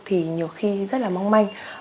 thì nhiều khi rất là mong manh